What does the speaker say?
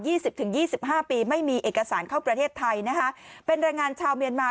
สิบถึงยี่สิบห้าปีไม่มีเอกสารเข้าประเทศไทยนะคะเป็นแรงงานชาวเมียนมา